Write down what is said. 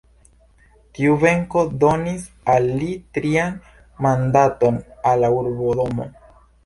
Tiu venko donis al li trian mandaton al la urbodomo.